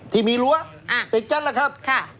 ที่มีหลัวติดจัดละครับ